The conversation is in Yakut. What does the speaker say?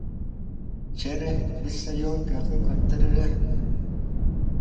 Чэ эрэ, Виссарион, кыаххын көрдөр эрэ